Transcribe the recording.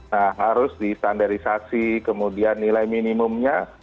nah harus distandarisasi kemudian nilai minimumnya